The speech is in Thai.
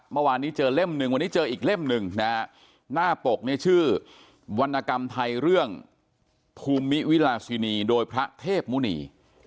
เมื่อวานนี้เจอเล่มหนึ่งวันนี้เจออีกเล่มหนึ่งนะฮะหน้าปกเนี่ยชื่อวรรณกรรมไทยเรื่องภูมิวิราชินีโดยพระเทพมุณี